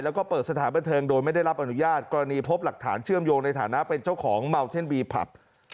แล้วก็เปิดสถานบันเทิงโดยไม่ได้รับอนุญาตกรณีพบหลักฐานเชื่อมโยงในฐานะเป็นเจ้าของเมาเท่นบีผับ